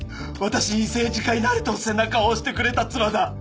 私に政治家になれと背中を押してくれた妻だ！